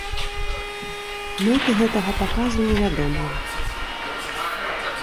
Мэты гэтага паказу невядомыя.